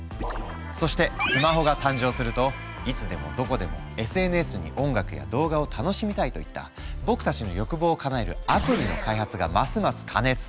そしてスマホが誕生するといつでもどこでもＳＮＳに音楽や動画を楽しみたいといった僕たちの欲望をかなえるアプリの開発がますます過熱。